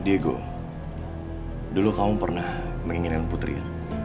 diego dulu kamu pernah menginginkan putri ya